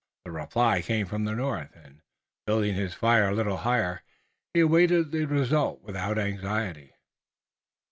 The reply came from the north, and, building his fire a little higher, he awaited the result, without anxiety.